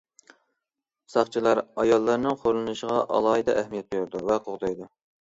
ساقچىلار ئاياللارنىڭ خورلىنىشىغا ئالاھىدە ئەھمىيەت بېرىدۇ ۋە قوغدايدۇ.